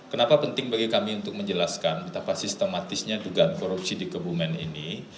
kenapa penting bagi kami untuk menjelaskan betapa sistematisnya dugaan korupsi di kebumen ini